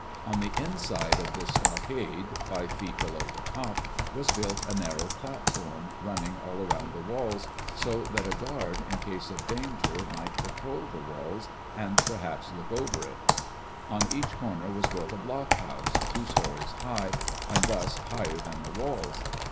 On the inside of this stockade, five feet below the top, was built a narrow platform, running all around the walls, so that a guard, in case of danger, might patrol the walls, and perhaps look over. On each corner was built a blockhouse, two stories high, and thus higher than the walls.